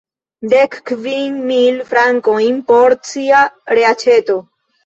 Dek kvin mil frankojn por cia reaĉeto.